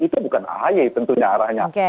itu bukan ahy tentunya arahnya